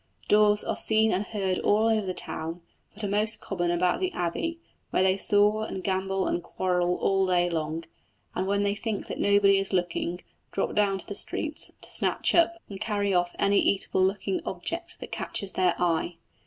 Daws are seen and heard all over the town, but are most common about the Abbey, where they soar and gambol and quarrel all day long, and when they think that nobody is looking, drop down to the streets to snatch up and carry off any eatable looking object that catches their eye.